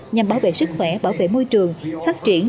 nhằm bảo vệ sức khỏe bảo vệ môi trường phát triển